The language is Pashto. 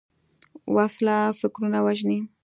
وسله فکرونه وژني